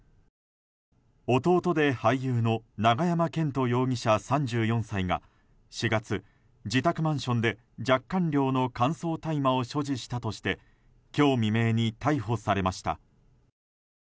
弟で俳優の永山絢斗容疑者、３４歳が４月、自宅マンションで若干量の乾燥大麻を所持したとして今日未明に逮捕されました。